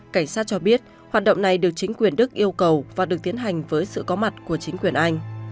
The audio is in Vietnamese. cảnh sát cho biết hoạt động này được chính quyền đức yêu cầu và được tiến hành với sự có mặt của chính quyền anh